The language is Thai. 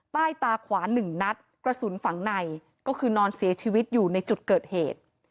ใต้ตาขวาหนึ่งนัดกระสุนฝังในก็คือนอนเสียชีวิตอยู่ในจุดเกิดเหตุ